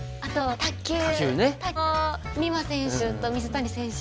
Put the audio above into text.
卓球の美誠選手と水谷選手。